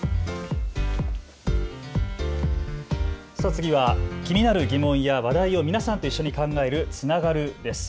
次は気になる疑問や話題を皆さんと一緒に考えるつながるです。